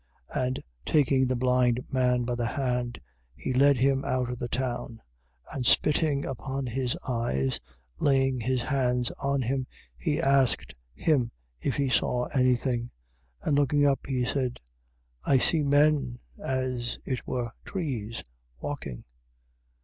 8:23. And taking the blind man by the hand, he led him out of the town. And spitting upon his eyes, laying his hands on him, he asked him if he saw any thing. 8:24. And looking up, he said: I see men, as it were trees, walking.